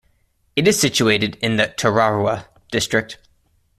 It is situated in the Tararua District.